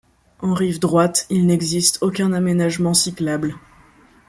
En rive droite, il n'existe aucun aménagement cyclable.